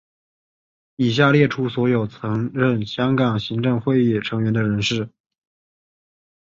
以下列出所有曾任香港行政会议成员的人士。